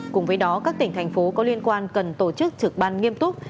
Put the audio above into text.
cùng với đó các tỉnh thành phố có liên quan cần tổ chức trực ban nghiêm túc